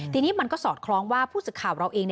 ทีนี้มันก็สอดคล้องว่าผู้สึกข่าวเราเอง